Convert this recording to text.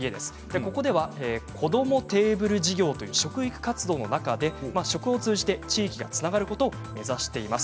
ここではこどもテーブル事業という食育活動の中で食を通じて地域がつながることを目指しています。